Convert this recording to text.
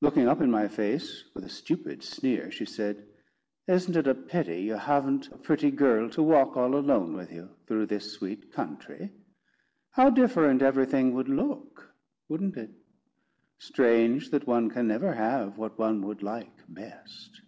Looking up in my face with a stupid sneer, she said: "Isn't it a pity you haven't a pretty girl to walk all alone with you through this sweet country? How different everything would look? wouldn't it? Strange that one can never have what one would like best!